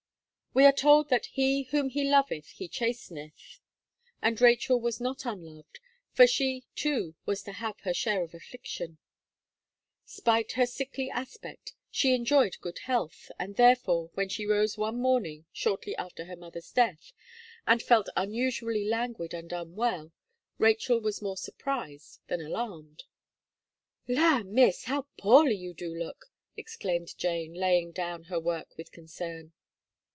We are told that "he whom He loveth He chasteneth;" and Rachel was not unloved, for she, too, was to have her share of affliction. Spite her sickly aspect, she enjoyed good health, and, therefore, when she rose one morning, shortly after her mother's death, and felt unusually languid and unwell, Rachel was more surprised than alarmed. "La, Miss! how poorly you do look!" exclaimed Jane, laying down her work with concern.